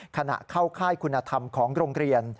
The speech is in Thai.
ขณะเข้าค่ายคุณธรรมของโรงเรียน